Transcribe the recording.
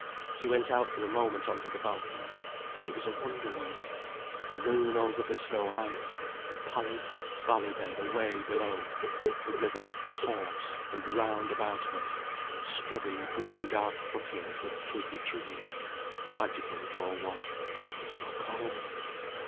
She went out for a moment on to the balcony. It was a wonder world: the moon over the snow heights, the pallid valley bed away below; the river hoarse, and round about her, scrubby, blue dark foothills with twiggy trees. Magical it all was—but so cold.